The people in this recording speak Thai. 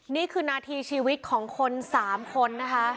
นี่คือนาทีชีวิตของคน๓คนนะคะ